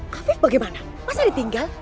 kak fief bagaimana masa dia tinggal